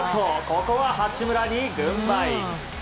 ここは八村に軍配。